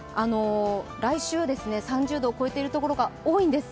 来週は３０度を超えているところが多いんです。